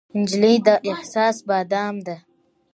نجلۍ د احساس بادام ده.